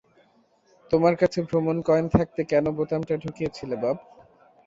তোমার কাছে ভ্রমণ কয়েন থাকতে কেন বোতামটা ঢুকিয়েছিলে, বব?